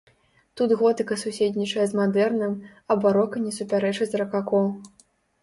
Тут готыка суседнічае з мадэрнам, а барока не супярэчыць ракако.